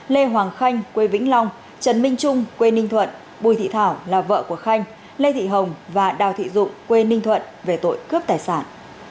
lê hoàng khanh quê vĩnh long trần minh trung quê ninh thuận bùi thị thảo là vợ của khanh lê thị hồng và đào thị dụng quê ninh thuận về tội cướp tài sản